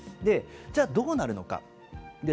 じゃどうなるのか。